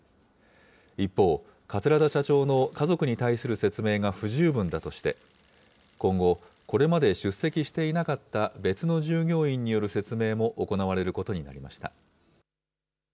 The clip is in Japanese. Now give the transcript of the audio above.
一方、桂田社長の家族に対する説明が不十分だとして、今後、これまで出席していなかった別の従業員による説明も行われることになりました。